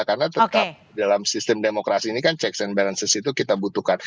karena tetap dalam sistem demokrasi ini kan checks and balances itu kita butuhkan